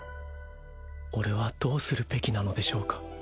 俺はどうするべきなのでしょうか